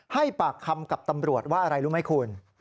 ให้ปากคำกับตำรวจว่าอะไรรู้ไหมคุณ